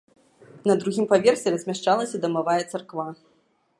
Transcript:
На другім паверсе размяшчалася дамавая царква.